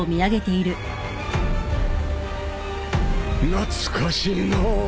懐かしいな